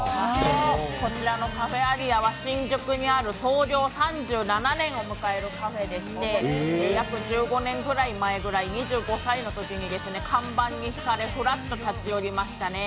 こちらのＣＡＦＥＡＡＬＩＹＡは新宿にある創業３７年を迎えるカフェでして、約１５年前ぐらい、２５歳のときに看板にひかれ、ふらっと立ち寄りましたね。